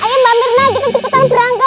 ayo mbak mirna jemput tangan perangkat